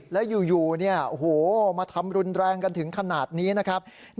แล้วอยู่มาทำรุนแรงกันถึงขนาดนี้นะครับ